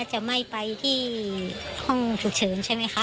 จะไม่ไปที่ห้องฉุกเฉินใช่ไหมคะ